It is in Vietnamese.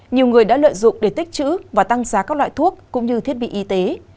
nhiều người đã lợi dụng để tích chữ và tăng giá các loại thuốc cũng như thiết bị y tế